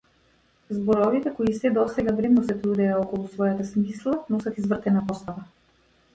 Зборовите кои сѐ до сега вредно се трудеа околу својата смисла носат извртена постава.